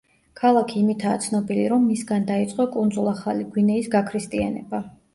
ქალაქი იმითაა ცნობილი, რომ მისგან დაიწყო კუნძულ ახალი გვინეის გაქრისტიანება.